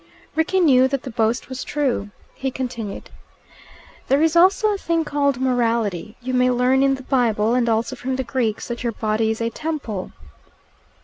Rickie knew that the boast was true. He continued, "There is also a thing called Morality. You may learn in the Bible, and also from the Greeks, that your body is a temple."